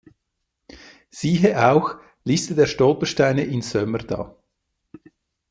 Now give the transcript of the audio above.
Siehe auch: Liste der Stolpersteine in Sömmerda.